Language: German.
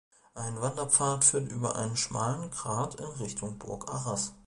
Ein Wanderpfad führt über einen schmalen Grat in Richtung Burg Arras.